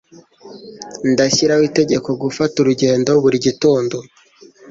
Ndashyiraho itegeko gufata urugendo buri gitondo.